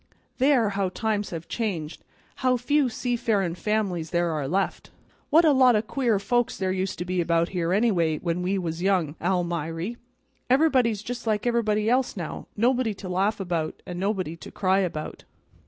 There, how times have changed; how few seafarin' families there are left! What a lot o' queer folks there used to be about here, anyway, when we was young, Almiry. Everybody's just like everybody else, now; nobody to laugh about, and nobody to cry about."